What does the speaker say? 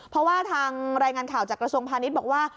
เพราะว่าทางรายงานข่าวจากกระทรวงพาณิชย์บอกว่า